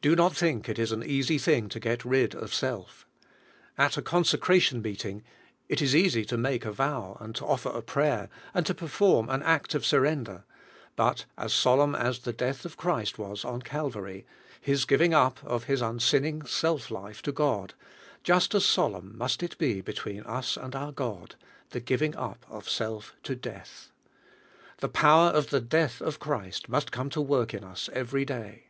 Do not think it is an easy thing to get rid of self. At a consecration meeting, it is easy to make a vow, and to oiler a prayer, and to perform an act of surrender, but as solemn as the death of Christ was on Calvary — His giving up of His unsinning self life to God, — just as solemn must it be between us and our God — the giving up of self to death. The power of the death of Christ must come to work in us every day.